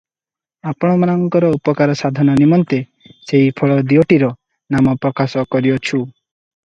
ଆପଣମାନଙ୍କର ଉପକାର ସାଧନ ନିମନ୍ତେ ସେହି ଫଳ ଦିଓଟିର ନାମ ପ୍ରକାଶ କରିଅଛୁ ।